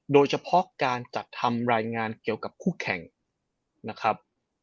โดยเฉพาะการจัดทำรายงานเกี่ยวกับคู่แข่งนะครับ